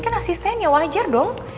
ya catherine kan asisten ya wajar dong